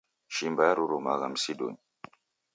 Shimba yarurumagha msidunyi